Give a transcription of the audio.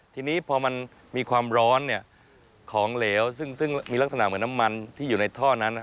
ทีนี้พอมันมีความร้อนของเหลวซึ่งมีลักษณะเหมือนน้ำมันที่อยู่ในท่อนั้น